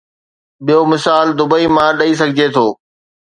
ٻيو مثال دبئي مان ڏئي سگهجي ٿو.